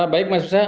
baik mas resa